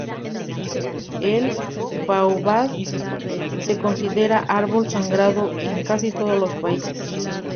El baobab se considera árbol sagrado en casi todos los países.